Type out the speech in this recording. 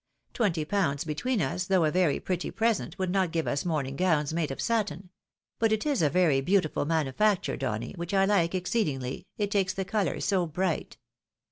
Twenty pounds between us, though a very pretty present, would not give us morning gowns made of satin. But it is a very beautiful manufacture, Donny, which I hke exceedingly, it takes the colour so bright.